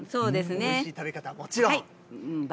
おいしい食べ方はもちろん？